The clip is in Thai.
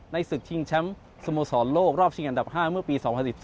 ศึกชิงแชมป์สโมสรโลกรอบชิงอันดับ๕เมื่อปี๒๐๑๙